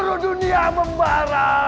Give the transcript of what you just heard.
dapat menandingi cintaku yang membarah